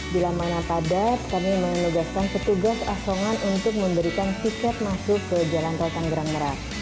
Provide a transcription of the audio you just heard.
bila mana padat kami menugaskan petugas asongan untuk memberikan tiket masuk ke jalan tol tanggerang merak